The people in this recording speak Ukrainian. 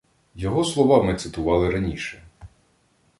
Його слова ми цитували раніше